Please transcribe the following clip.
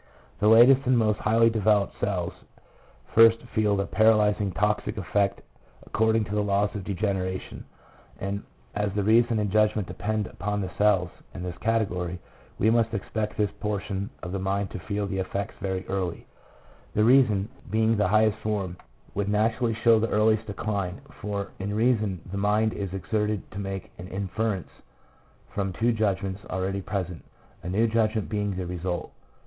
The latest and most highly developed cells first feel the paralyzing toxic effect according to the laws of degeneration, and as the reason and judgment depend upon the cells in this category, we must expect this portion of the mind to feel the effects very early. The reason, being the highest form, would naturally 1 J. Sully, The Human Mind, vol. i. p. 390. 102 PSYCHOLOGY OF ALCOHOLISM. show the earliest decline, for in reason the mind is exerted to make an inference from two judgments already present, a new judgment being the result.